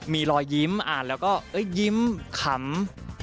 มีรอยยิ้มอ่านแล้วก็ยิ้มขำ